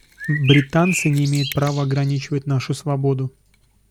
Британцы не имеют права ограничивать нашу свободу.